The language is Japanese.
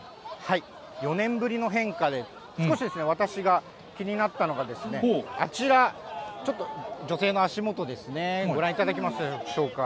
４年ぶりの変化で、少し私が気になったのが、あちら、ちょっと女性の足元ですね、ご覧いただけますでしょうか。